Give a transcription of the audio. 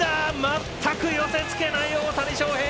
全く寄せつけない大谷翔平。